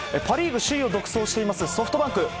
パ・リーグ首位を独走していますソフトバンク。